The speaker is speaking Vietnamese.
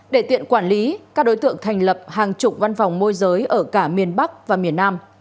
để tiện quản lý các đối tượng thành lập hàng chục văn phòng môi giới ở cả miền bắc và miền nam